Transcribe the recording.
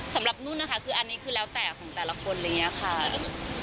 สำหรับนุ่นนะคะคืออันนี้คือแล้วแต่ของแต่ละคนอะไรอย่างนี้ค่ะ